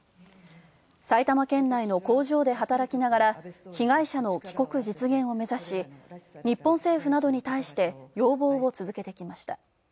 埼玉県内の工場で働きながら被害者の帰国実現を目指し、日本政府などに対して要望を続けてきました。